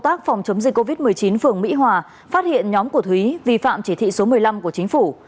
tổ chức covid một mươi chín phường mỹ hòa phát hiện nhóm của thúy vi phạm chỉ thị số một mươi năm của chính phủ